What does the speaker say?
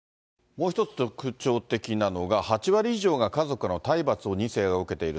もう一つ特徴的なのが、８割以上が家族の体罰を２世が受けている。